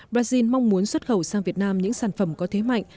brazil mong muốn xuất khẩu sang việt nam những sản phẩm có thế mạnh